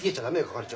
係長。